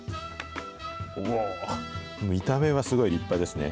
おー、見た目はすごい立派ですね。